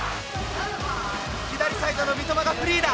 左サイドの三笘がフリーだ。